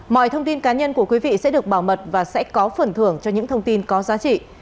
mọi thông tin cá nhân của quý vị sẽ được bảo mật và sẽ có phần thưởng cho những thông tin có giá trị